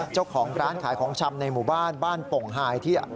เจ้าของร้านขายของชำในหมู่บ้านบ้านโป่งหายที่